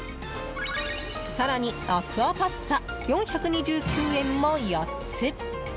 更に、アクアパッツァ４２９円も４つ。